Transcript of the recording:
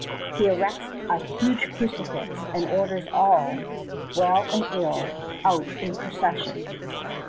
He erects a huge crucifix and orders all, well and ill, out in procession.